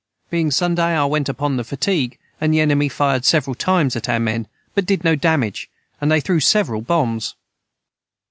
Being Sunday I went upon the fatigue and the enemy fired several times at our men but did no Damage and they threw several Bombs.